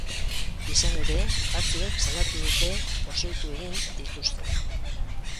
Izan ere, batzuek salatu dute pozoitu egin dituztela.